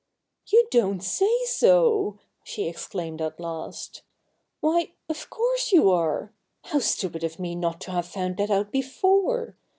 ' You don't say so !' she exclaimed at last. ' Why, of course you are How stupid of me not to have found that out before